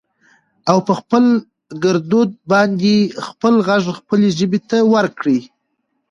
او په خپل ګردود باندې خپل غږ خپلې ژبې ته ورکړٸ